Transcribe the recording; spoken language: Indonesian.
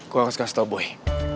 gue akan suka sama boy